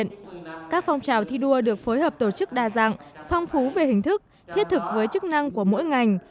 nông dân thi đua được phối hợp tổ chức đa dạng phong phú về hình thức thiết thực với chức năng của mỗi ngành